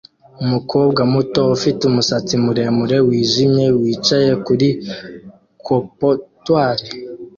umukobwa muto ufite umusatsi muremure wijimye wicaye kuri comptoire